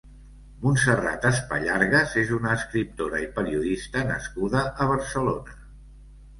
Montserrat Espallargas és una escriptora i periodista nascuda a Barcelona.